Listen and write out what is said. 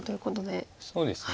そうですね